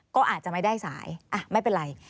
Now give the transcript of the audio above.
ก็อาจจะไม่ได้สายไม่เป็นไร